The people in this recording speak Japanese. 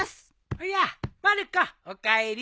おやまる子おかえり。